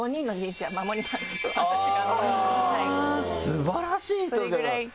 素晴らしい人じゃない。